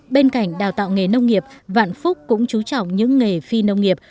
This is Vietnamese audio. bên cạnh đào tạo nghề nông nghiệp vạn phúc cũng chú trọng những nghề phi nông nghiệp